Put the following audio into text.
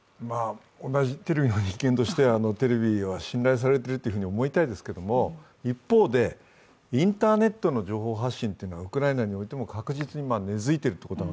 同じテレビの人間として、テレビは信頼されていると思いたいですけれども、一方で、インターネットの情報発信というのがウクライナにおいても確実に根づいている。